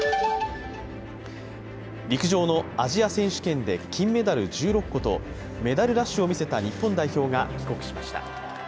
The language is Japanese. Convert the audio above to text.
陸上のアジア選手権で金メダル１６個とメダルラッシュを見せた日本代表が帰国しました。